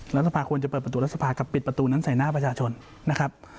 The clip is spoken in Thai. รัฐสภาควรจะเปิดประตูรัฐสภากับปิดประตูนั้นใส่หน้าประชาชนนะครับ